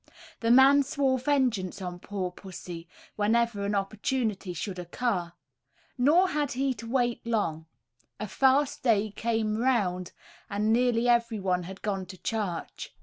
The man swore vengeance on poor pussy, whenever an opportunity should occur. Nor had he long to wait; a fast day came round, and nearly every one had gone to church.